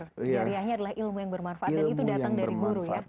jariahnya adalah ilmu yang bermanfaat